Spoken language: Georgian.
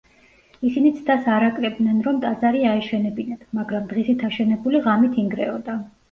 ისინი ცდას არ აკლებდნენ, რომ ტაძარი აეშენებინათ, მაგრამ დღისით აშენებული ღამით ინგრეოდა.